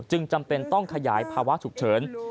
จำเป็นต้องขยายภาวะฉุกเฉิน